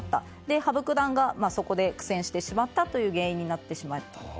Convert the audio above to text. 羽生九段がそこで苦戦してしまったという原因があります。